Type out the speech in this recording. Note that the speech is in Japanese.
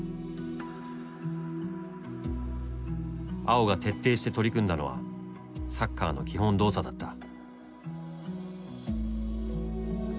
僕碧が徹底して取り組んだのはサッカーの基本動作だった。